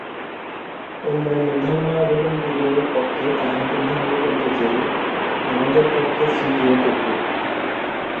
অন্যান্য ধর্মাবলম্বিগণের পক্ষে তাহাদের ধর্মগ্রন্থ যেরূপ, আমাদের পক্ষে স্মৃতিও তদ্রূপ।